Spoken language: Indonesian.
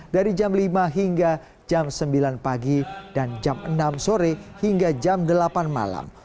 dari jam lima hingga jam sembilan pagi dan jam enam sore hingga jam delapan malam